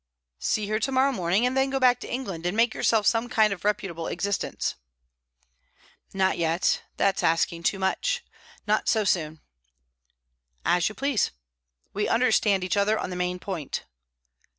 "See her to morrow morning, and then go back to England, and make yourself some kind of reputable existence." "Not yet. That is asking too much. Not so soon." "As you please. We understand each other on the main point."